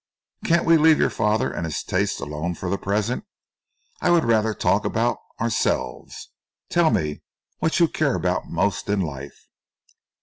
Can't we leave your father and his tastes alone for the present? I would rather talk about ourselves. Tell me what you care about most in life?"